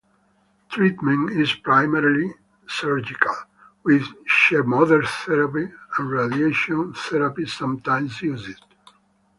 Treatment is primarily surgical, with chemotherapy and radiation therapy sometimes used.